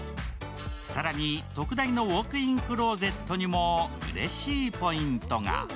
更に特大のウォークインクローゼットにもうれしいポイントが。